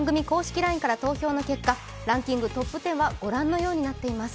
ＬＩＮＥから投票の結果、ランキングトップ１０はご覧のようになっています。